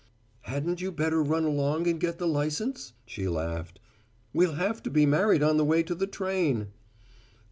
"Hadn't you better run along and get the license?" she laughed. "We'll have to be married on the way to the train."